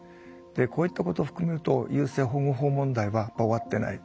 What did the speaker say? こういったことを含めると優生保護法問題は終わってない。